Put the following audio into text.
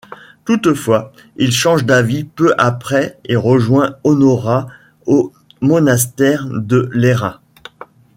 Toutefois, il change d’avis peu après et rejoint Honorat au monastère de Lérins.